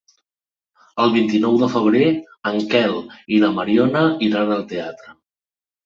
El vint-i-nou de febrer en Quel i na Mariona iran al teatre.